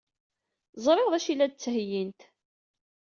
Ẓriɣ d acu ay la d-ttheyyint.